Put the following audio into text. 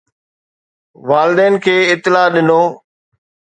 والدين کي اطلاع ڏنو